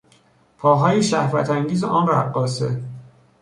پاهای شهوتانگیز آن رقاصه